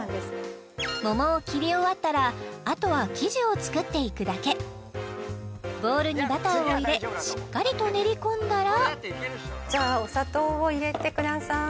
桃を切り終わったらあとは生地を作っていくだけボウルにバターを入れしっかりと練り込んだらじゃお砂糖を入れてください